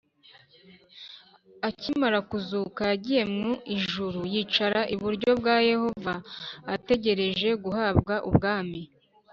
Akimara kuzuka yagiye mu ijuru, yicara iburyo bwa Yehova ategereje guhabwa Ubwami